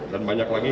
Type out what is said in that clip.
dan banyak lagi